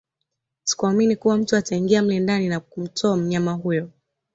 Sikuamini kuwa mtu ataingia mle ndani na kumtoa mnyama huyo